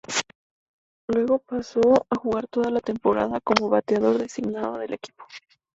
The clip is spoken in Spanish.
Luego pasó a jugar toda la temporada como bateador designado del equipo.